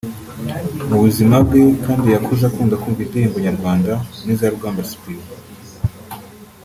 Mu buzima bwe kandi yakuze akunda kumva indirimbo nyarwanda nk’ iza Rugamba Cyprien